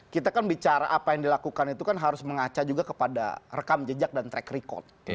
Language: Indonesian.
kita kan bicara apa yang dilakukan itu kan harus mengaca juga kepada rekam jejak dan track record